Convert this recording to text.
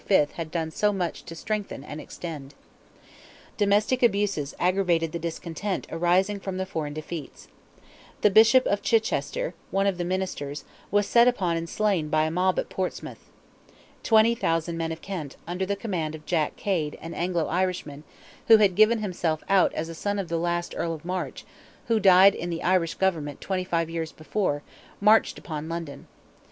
had done so much to strengthen and extend. Domestic abuses aggravated the discontent arising from foreign defeats. The Bishop of Chichester, one of the ministers, was set upon and slain by a mob at Portsmouth. Twenty thousand men of Kent, under the command of Jack Cade, an Anglo Irishman, who had given himself out as a son of the last Earl of March, who died in the Irish government twenty five years before, marched upon London.